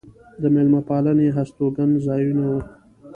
د مېلمه پالنې هستوګن ځایونه و.